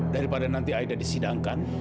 daripada nanti aida disidangkan